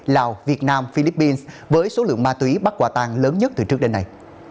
lào việt nam philippines với số lượng ma túy bắt quả tăng lớn nhất từ trước đến nay